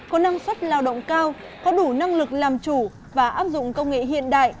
có năng suất lao động cao có đủ năng lực làm chủ và áp dụng công nghệ hiện đại